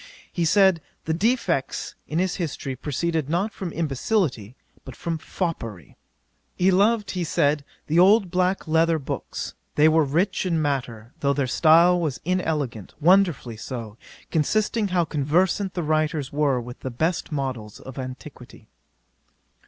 He said, the defects in his history proceeded not from imbecility, but from foppery. 'He loved, he said, the old black letter books; they were rich in matter, though their style was inelegant; wonderfully so, considering how conversant the writers were with the best models of antiquity.